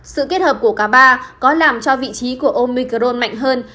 sự kết hợp của cả ba có làm cho vị trí của omicron mạnh hơn